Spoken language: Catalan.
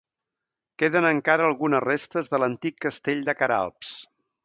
Queden encara algunes restes de l'antic castell de Queralbs.